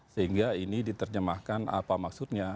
sehingga ini diterjemahkan apa maksudnya